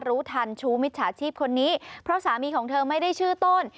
รู้ทันชู้มิจฉาชีพคนนี้เพราะสามีของเธอไม่ได้ชื่อต้น